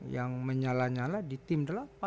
yang menyala nyala di tim delapan